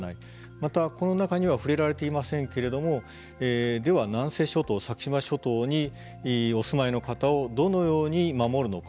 また、この中では触れられていませんけれどもでは南西諸島、先島諸島にお住まいの方をどのように位置づけるのか。